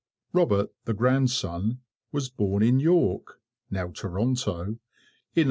Robert the grandson was born in York (now Toronto) in 1804.